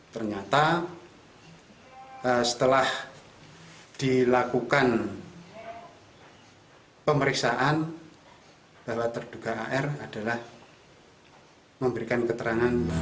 ternyata setelah dilakukan pemeriksaan bahwa terduga ar adalah memberikan keterangan